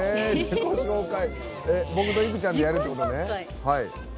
僕といくちゃんでやるってことね。